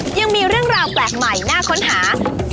ยังมีเรื่องราวแปลกใหม่น่าค้นหา